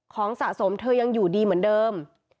สะสมเธอยังอยู่ดีเหมือนเดิม